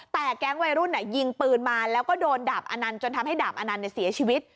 แต่แก๊งวัยรุ่นยิงปืนมาแล้วก็โดนดาบอนันต์จนทำให้ดาบอนันต์เสียชีวิต